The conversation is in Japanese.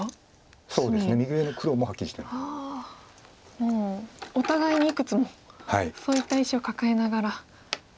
もうお互いにいくつもそういった石を抱えながら。